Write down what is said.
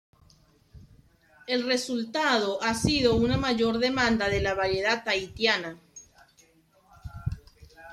El resultado ha sido una mayor demanda de la variedad tahitiana.